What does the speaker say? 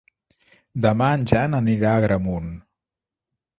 Demà en Jan anirà a Agramunt.